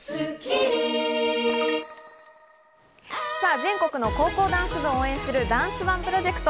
全国の高校ダンス部を応援するダンスＯＮＥプロジェクト。